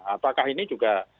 apakah ini juga